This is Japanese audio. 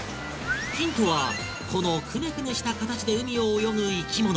ヒントはこのクネクネした形で海を泳ぐ生き物！